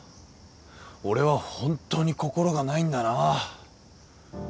俺は本当に心がないんだな。